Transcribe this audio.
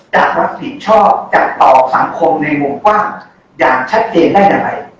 จะรับผิดชอบต่อสังคมในวงกว้างอย่างชัดเจนได้อย่างไร